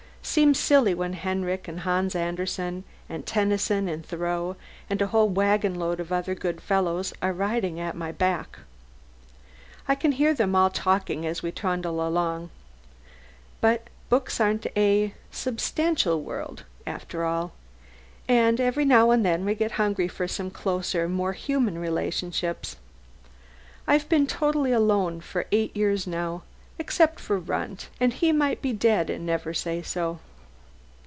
Seems silly when Herrick and Hans Andersen and Tennyson and Thoreau and a whole wagonload of other good fellows are riding at my back. I can hear them all talking as we trundle along. But books aren't a substantial world after all, and every now and then we get hungry for some closer, more human relationships. I've been totally alone now for eight years except for Runt, and he might be dead and never say so.